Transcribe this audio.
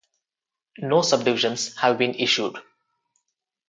No subdivisions have been issued.